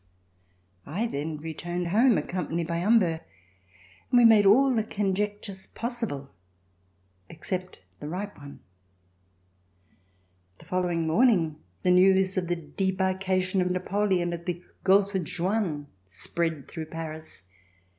I then returned home accompanied by Humbert and we made all the conjectures possible except the right one. The follow ing morning the news of the debarkation of Napoleon at the Golfe Juan spread through Paris.